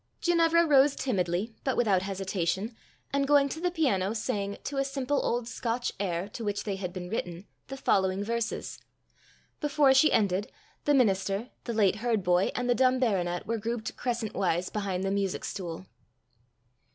Ginevra rose timidly, but without hesitation, and going to the piano, sang, to a simple old Scotch air, to which they had been written, the following verses. Before she ended, the minister, the late herd boy, and the dumb baronet were grouped crescent wise behind the music stool.